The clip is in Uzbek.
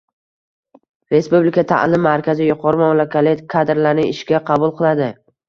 Respublika ta’lim markazi yuqori malakali kadrlarni ishga qabul qiladi